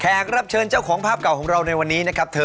รับเชิญเจ้าของภาพเก่าของเราในวันนี้นะครับเธอ